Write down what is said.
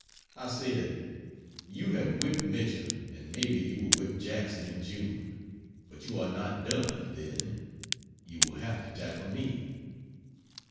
I said: "You have whipped Mitchell, and maybe you will whip Jackson in June but you are not done, then. You will have to tackle me."